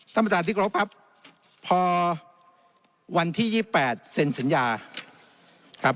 สมศตรีกรบครับพอวันที่๒๘เซ็นสัญญา